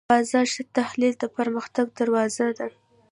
د بازار ښه تحلیل د پرمختګ دروازه ده.